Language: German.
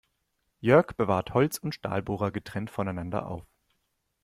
Jörg bewahrt Holz- und Stahlbohrer getrennt voneinander auf.